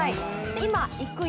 今いくよ・